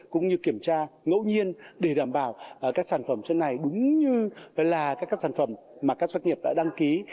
cũng như kiểm tra ngẫu nhiên để đảm bảo các sản phẩm trên này đúng như là các sản phẩm mà các doanh nghiệp đã đăng ký